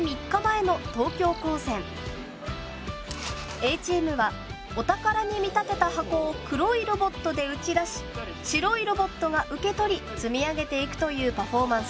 Ａチームはお宝に見立てた箱を黒いロボットでうち出し白いロボットが受け取り積み上げていくというパフォーマンスです。